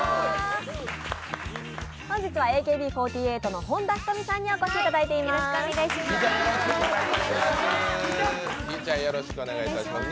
本日はＡＫＢ４８の本田仁美さんにお越しいただいています。